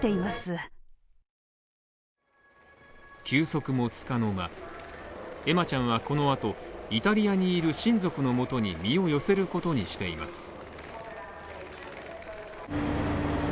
休息もつかの間、エマちゃんはこのあと、イタリアにいる親族のもとに身を寄せることにしています。